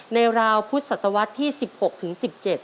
ราวพุทธศตวรรษที่๑๖ถึง๑๗